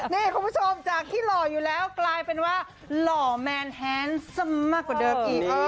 นี่คุณผู้ชมจากที่หล่ออยู่แล้วกลายเป็นว่าหล่อแมนแฮนด์ซะมากกว่าเดิมอีก